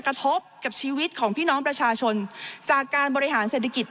กระทบกับชีวิตของพี่น้องประชาชนจากการบริหารเศรษฐกิจ